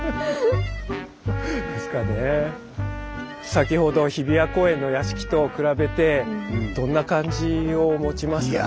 先ほど日比谷公園の屋敷と比べてどんな感じを持ちますかね？